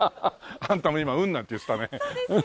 あんたも今「うん」なんて言ってたね。